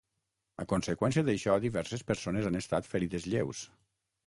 A conseqüència d’això diverses persones han estat ferides lleus.